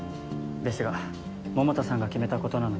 ですが桃田さんが決めたことなので。